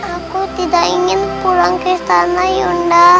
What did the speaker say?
aku tidak ingin pulang ke istana yonda